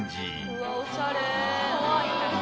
うわおしゃれ。